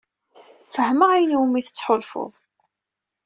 Fehmeɣ ayen umi tettḥulfuḍ.